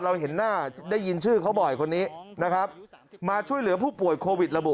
เห็นหน้าได้ยินชื่อเขาบ่อยคนนี้นะครับมาช่วยเหลือผู้ป่วยโควิดระบุ